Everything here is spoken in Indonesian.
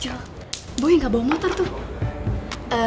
jel boy gak bawa motor tuh